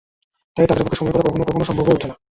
তাই তাঁদের পক্ষে সময় করা কখনো কখনো সম্ভব হয়ে ওঠে না।